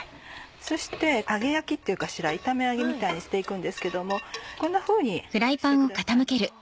そして揚げ焼きっていうかしら炒め揚げみたいにして行くんですけどもこんなふうにしてください。